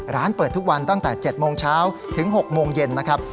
ร้านเปิดทุกวันตั้งแต่๗โมงเช้าถึง๖โมงเย็นนะครับ